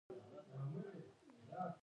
د بورې کارول کم کړئ.